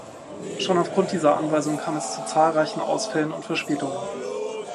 Schon aufgrund dieser Anweisung kam es zu zahlreichen Ausfällen und Verspätungen.